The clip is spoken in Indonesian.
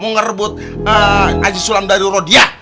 mau ngerebut haji sulam dari roh dia